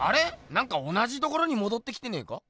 なんか同じところにもどってきてねえか？